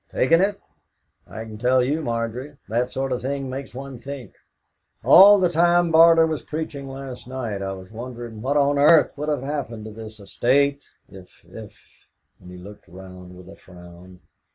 "Taken it! I can tell you, Margery, that sort of thing makes one think. All the time Barter was preaching last night I was wondering what on earth would have happened to this estate if if " And he looked round with a frown.